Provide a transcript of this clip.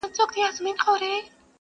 څوك به ژاړي په كېږديو كي نكلونه-